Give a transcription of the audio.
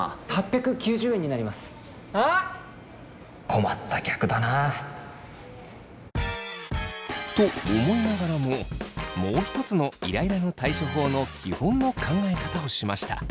困った客だな。と思いながらももう一つのイライラの対処法の基本の考え方をしました。